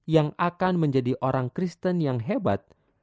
yang akan menjadi orang kristen yang hebat